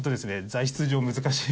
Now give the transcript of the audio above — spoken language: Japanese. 材質上難しい。